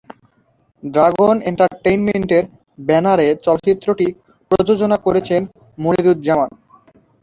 Dragon এন্টারটেইনমেন্টের ব্যানারে চলচ্চিত্রটি প্রযোজনা করেছেন মনিরুজ্জামান।